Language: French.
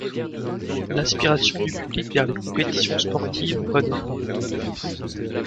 L'aspiration du public vers les compétitions sportives renaît.